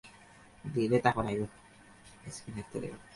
আমি আমার মনের প্রকৃত ভাবটা ব্যক্ত করিতেছি মাত্র।